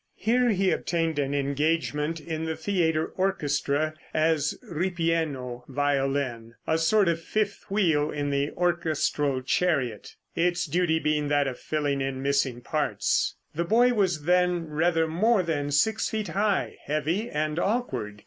Here he obtained an engagement in the theater orchestra as ripieno violin, a sort of fifth wheel in the orchestral chariot, its duty being that of filling in missing parts. The boy was then rather more than six feet high, heavy and awkward.